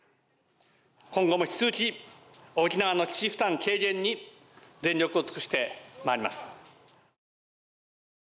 今後も引き続き沖縄の基地負担軽減に全力を尽くしてまいります。